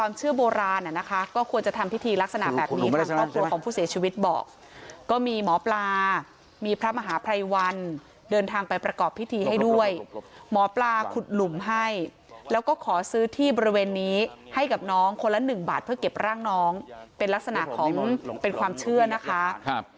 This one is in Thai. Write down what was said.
มหาภัยวันเดินทางไปประกอบพิธีให้ด้วยหมอปลาขุดหลุมให้แล้วก็ขอซื้อที่บริเวณนี้ให้กับน้องคนละหนึ่งบาทเพื่อเก็บร่างน้องเป็นลักษณะของเป็นความเชื่อนะคะครับ